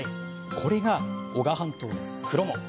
これが男鹿半島のクロモ。